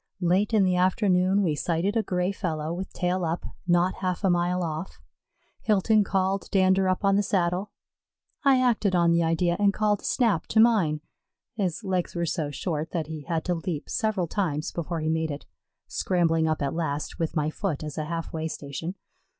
Late in the afternoon we sighted a gray fellow with tail up, not half a mile off. Hilton called Dander up on the saddle. I acted on the idea and called Snap to mine. His legs were so short that he had to leap several times before he made it, scrambling up at last with my foot as a half way station.